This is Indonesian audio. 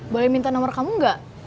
boleh minta nomor kamu gak